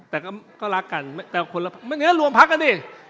แต่ก็ก็รักกันแต่คนละมันเนื้อรวมพักกันดิ